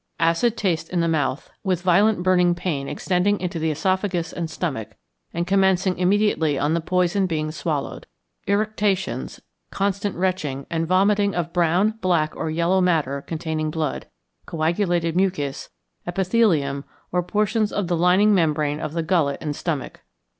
_ Acid taste in the mouth, with violent burning pain extending into the oesophagus and stomach, and commencing immediately on the poison being swallowed; eructations, constant retching, and vomiting of brown, black, or yellow matter containing blood, coagulated mucus, epithelium, or portions of the lining membrane of the gullet and stomach.